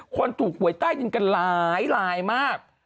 คนถูกหวยใต้ดินกันหลายลายมาก